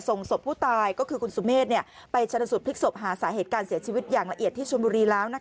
ส่งศพผู้ตายก็คือคุณสุเมฆไปชนสูตรพลิกศพหาสาเหตุการเสียชีวิตอย่างละเอียดที่ชนบุรีแล้ว